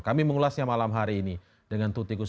kami mengulasnya malam hari ini